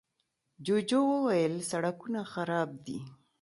جوجو وويل، سړکونه خراب دي.